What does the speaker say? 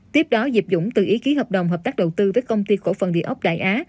tiếp đó diệp dũng tự ý ký hợp đồng hợp tác đầu tư với công ty cổ phần địa ốc đại á